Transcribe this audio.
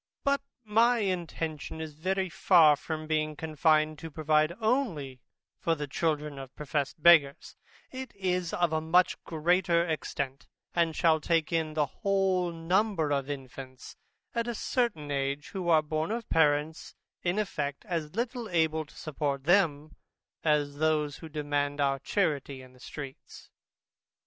But my intention is very far from being confined to provide only for the children of professed beggars: it is of a much greater extent, and shall take in the whole number of infants at a certain age, who are born of parents in effect as little able to support them, as those who demand our charity in the streets.